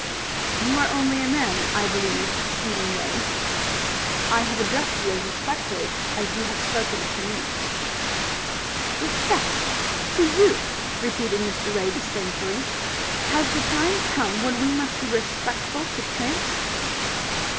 "You are only a man, I believe, Stephen Ray. I have addressed you as respectfully as you have spoken to me." "Respect to you?" repeated Mr. Ray disdainfully. "Has the time come when we must be respectful to tramps?"